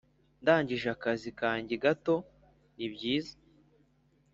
ndangije akazi kanjye gato? nibyiza;